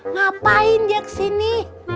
ngapain dia kesini